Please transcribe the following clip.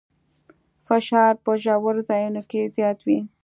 فشار په ژورو ځایونو کې زیات وي.